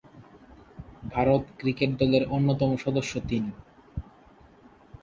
Bharat cricket দলের অন্যতম সদস্য তিনি।